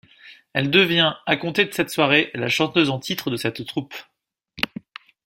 Elle devient à compter de cette soirée la chanteuse en titre de cette troupe.